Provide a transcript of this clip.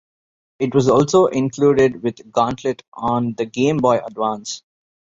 It was also included with Gauntlet on the Game Boy Advance.